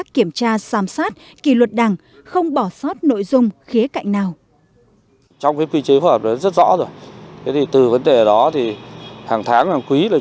kiểm tra sám sát kỳ luật đảng không bỏ sót nội dung khía cạnh nào